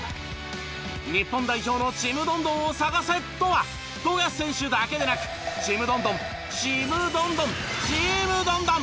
日本代表のちむどんどんを探せとは富樫選手だけでなくちむどんどんちむどんどんチームどんどん！